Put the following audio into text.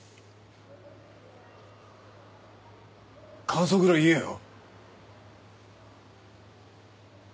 感想ぐらい言えよ。